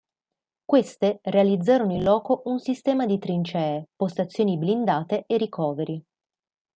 Queste realizzarono in loco un sistema di trincee, postazioni blindate e ricoveri.